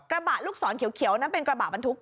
ลูกศรเขียวนั่นเป็นกระบะบรรทุก